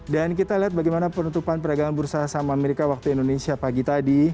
dan kita lihat bagaimana penutupan perdagangan bursa sam amerika waktu indonesia pagi tadi